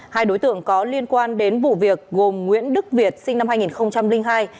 hai đối tượng có liên quan đến vụ việc gồm nguyễn đức việt sinh năm hai nghìn hai